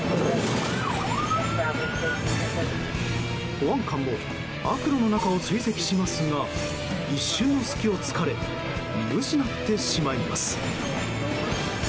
保安官も悪路の中を追跡しますが一瞬の隙を突かれ見失ってしまいます。